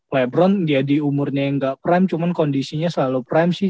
lebron dia di umurnya yang gak prime cuman kondisinya selalu prime sih